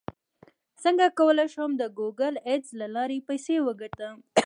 څنګه کولی شم د ګوګل اډز له لارې پیسې وګټم